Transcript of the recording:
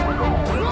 うわ！！